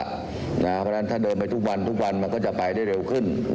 เพราะฉะนั้นถ้าเดินไปทุกวันทุกวันมันก็จะไปได้เร็วขึ้น